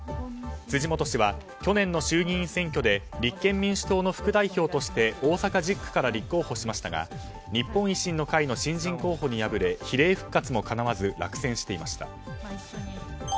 辻元氏は去年の衆議院選挙で立憲民主党の副代表として大阪１０区から立候補しましたが日本維新の会の新人候補に敗れ比例復活もかなわず落選していました。